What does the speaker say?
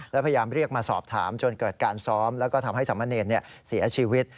และพยายามเรียกมาสอบถามจนเกิดการซ้อมแล้วก็ทำให้สามเณรเสียชีวิต